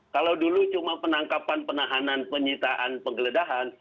kalau dulu cuma penangkapan penahanan penyitaan penggeledahan